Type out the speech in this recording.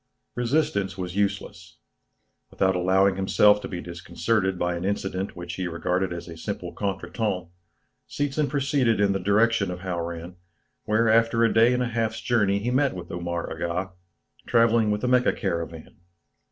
Resistance was useless. Without allowing himself to be disconcerted by an incident which he regarded as a simple contretemps, Seetzen proceeded in the direction of Hauran, where after a day and a half's journey he met Omar Aga, travelling with the Mecca caravan.